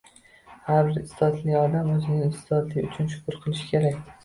Har bir iste’dodli odam o‘zining iste’dodi uchun shukr qilishi kerak.